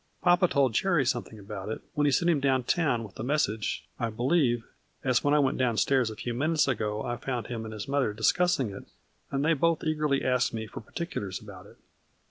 Papa told Jerry something about it when he sent him down town with the message, I believe, as when I went down stairs a few minutes ago I found him and his mother discussing it, and they both eagerly asked me for particulars about it."